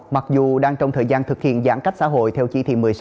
mặc dù đang trong thời gian thực hiện giãn cách xã hội theo chỉ thị một mươi sáu